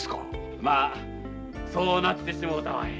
まぁそうなってしもうたわい。